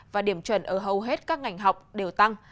và điểm chuẩn ở hầu hết các ngành học đều tăng